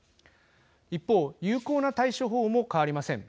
一方、有効な対処法も変わりません。